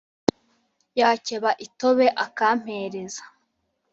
yakeba i tobe akam pereza